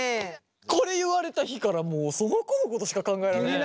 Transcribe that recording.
これ言われた日からもうその子のことしか考えられないね。